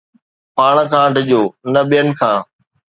پاڻ کان ڊڄو نه ٻين کان